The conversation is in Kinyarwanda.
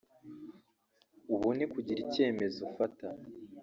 ubone kugira icyemezo ufata